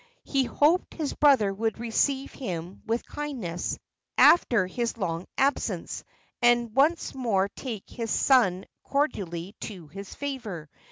He hoped his brother would receive him with kindness, after his long absence, and once more take his son cordially to his favour.